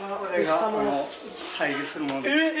えっ！